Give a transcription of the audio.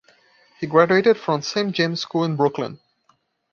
He graduated from Saint James School in Brooklyn.